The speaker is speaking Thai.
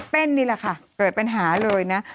นี่แหละค่ะเกิดปัญหาเลยนะ